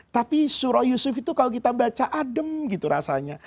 tapi surah yusuf itu kalau kita baca adem gitu rasanya